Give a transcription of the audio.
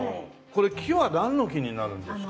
これ木はなんの木になるんですか？